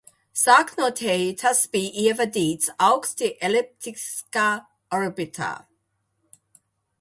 Sākotnēji tas bija ievadīts augsti eliptiskā orbītā.